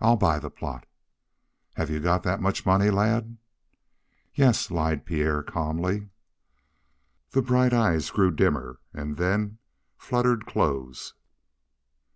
"I'll buy the plot." "Have you got that much money, lad?" "Yes," lied Pierre calmly. The bright eyes grew dimmer and then fluttered close.